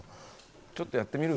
ちょっとやってみる？